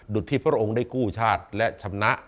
ที่พระองค์ได้กู้ชาติและชำนะ